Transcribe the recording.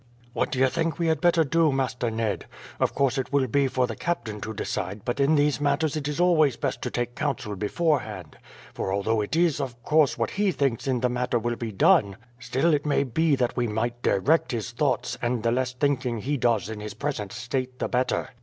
"What do you think we had better do, Master Ned? Of course it will be for the captain to decide; but in these matters it is always best to take counsel beforehand. For although it is, of course, what he thinks in the matter will be done, still it may be that we might direct his thoughts; and the less thinking he does in his present state the better."